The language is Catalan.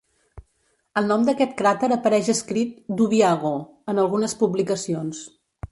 El nom d'aquest cràter apareix escrit "Dubiago" en algunes publicacions.